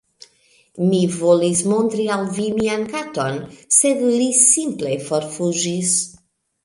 Mi volis montri al vi mian katon sed li simple forfuĝis